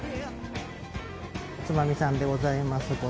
おつまみさんでございます。